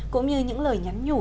cũng như những lời nhắn nhủ